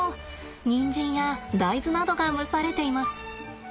人参や大豆などが蒸されています。